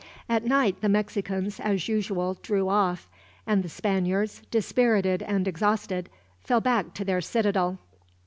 At night the Mexicans, as usual, drew off; and the Spaniards, dispirited and exhausted, fell back to their citadel.